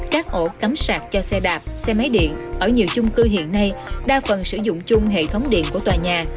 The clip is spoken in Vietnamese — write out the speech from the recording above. các ổ cắm sạc cho xe đạp xe máy điện ở nhiều chung cư hiện nay đa phần sử dụng chung hệ thống điện của tòa nhà